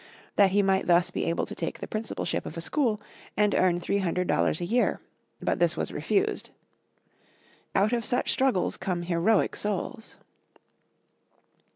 that he might thus be able to take the principalship of a school, and earn three hundred dollars a year; but this was refused. Out of such struggles come heroic souls.